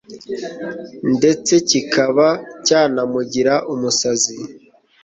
ndetse kikaba cyanamugira umusazi